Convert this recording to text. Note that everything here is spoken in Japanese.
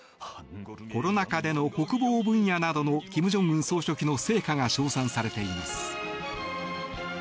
コロナ禍での国防分野などの金正恩総書記の成果が称賛されています。